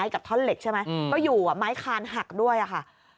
กับท่อนเหล็กใช่ไหมก็อยู่ไม้คานหักด้วยค่ะ